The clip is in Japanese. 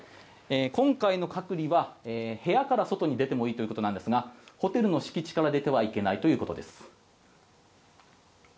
今回の隔離は部屋から外に出てもいいということなんですがホテルの敷地から出てはいけないということです。